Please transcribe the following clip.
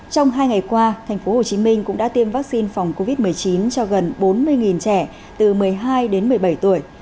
trong hai ngày qua tp hcm cũng đã tiêm vaccine phòng covid một mươi chín cho gần bốn mươi trẻ từ một mươi hai đến một mươi bảy tuổi